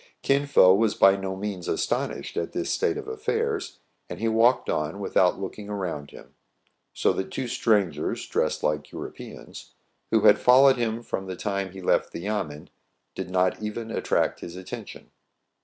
Kin Fo was by no means astonished at this state of affairs, and he walked on without looking around him; so that two strangers, dressed like Europeans, who had followed him from the time he left the yamen, did not even attract his attention.